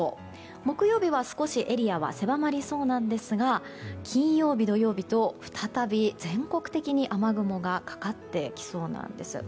木曜日は少しエリアは狭まりそうなんですが金曜日、土曜日と再び全国的に雨雲がかかってきそうなんです。